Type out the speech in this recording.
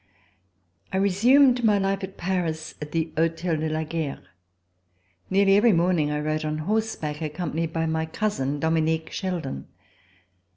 I RESUMED my life at Paris, at the Hotel de la Guerre. Nearly every morning I rode on horse back accompanied by my cousin, Dominique Sheldon.